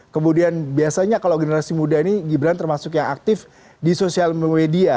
kemudian biasanya kalau generasi muda ini gibran termasuk yang aktif di sosial media